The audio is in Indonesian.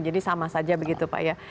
jadi sama saja begitu pak ya